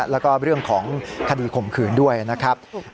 แล้วก็เรื่องของคดีข่มขืนด้วยนะครับ